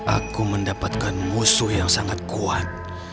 aku mendapatkan musuh yang sangat kuat